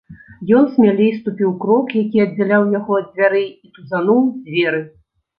Ён смялей ступіў крок, які аддзяляў яго ад дзвярэй, і тузануў дзверы.